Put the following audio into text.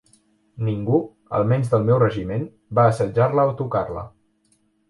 Ningú, almenys del meu regiment, va assetjar-la o tocar-la.